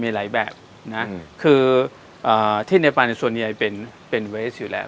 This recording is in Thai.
มีหลายแบบนะคือที่เนปานส่วนใหญ่เป็นเวสอยู่แล้ว